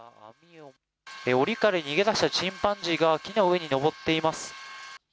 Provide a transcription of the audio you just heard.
おりから逃げだしたチンパンジーが木の上にのぼっています。